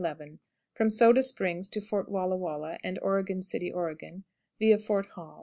From Soda Springs to Fort Wallah Wallah and Oregon City, Oregon, via _Fort Hall.